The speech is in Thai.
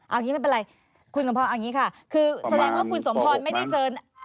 อันนี้ไม่เป็นไรคุณสมพรคือคือคุณสมพรไม่ได้เจอ